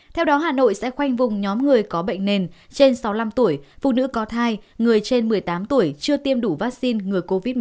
theo đó hà nội sẽ khoanh vùng nhóm người có bệnh nền trên sáu mươi năm tuổi phụ nữ có thai người trên một mươi tám tuổi chưa tiêm đủ vaccine ngừa covid một mươi chín